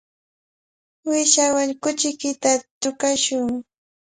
Uyshaawan kuchiykita trukashun.